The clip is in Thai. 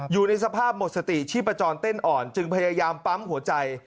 อยู่ในสภาพหมดสติชีพจรเต้นอ่อนจึงพยายามปั๊มหัวใจ